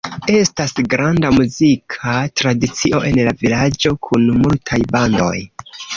Estas granda muzika tradicio en la vilaĝo kun multaj bandoj.